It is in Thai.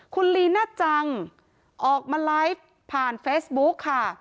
คุณลีน่าจังออกมาไลฟ์ผ่านเฟซบุ๊กค่ะ